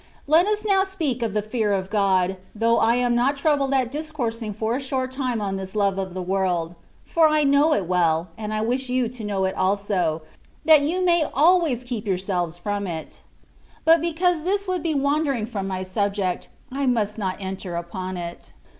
* Let us now speak of the fear of God, though I am not troubled at discoursing for a short time on this love of the world : for I know it weU, and wish you to know it also, that you may always keep yourselves from it : but because tlus would * Embebida en juego de Niiios." 208 THE WAY OF PERFECTION. be wandering from my subject, I must not enter upon it.